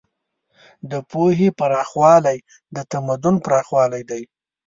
د پوهې پراخوالی د تمدن پراخوالی دی.